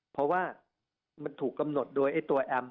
เพราะว่ามันถูกกำหนดโดยตัวแอม